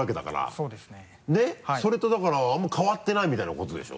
そうですね。ねぇ？それとだからあんまり変わってないみたいなことでしょ？